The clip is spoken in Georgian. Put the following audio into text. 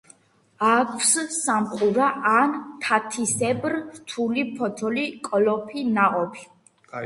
აქვს სამყურა ან თათისებრ რთული ფოთოლი, კოლოფი ნაყოფი.